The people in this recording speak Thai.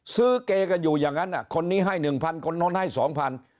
เกย์กันอยู่อย่างนั้นคนนี้ให้หนึ่งพันคนนู้นให้สองพัน